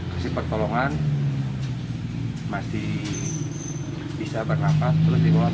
kasih pertolongan masih bisa bernafas terus dibawa